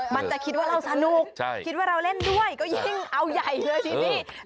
มันจะคิดว่าเราสนุกคิดว่าเราเล่นด้วยก็ยิ่งเอาใหญ่เลยทีนี้